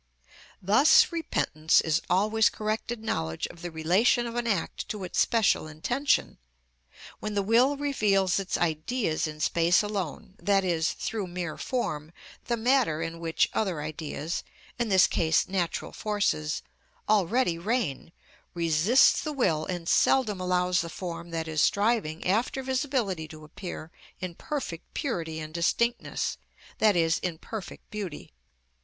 Thus repentance is always corrected knowledge of the relation of an act to its special intention. When the will reveals its Ideas in space alone, i.e., through mere form, the matter in which other Ideas—in this case natural forces—already reign, resists the will, and seldom allows the form that is striving after visibility to appear in perfect purity and distinctness, i.e., in perfect beauty.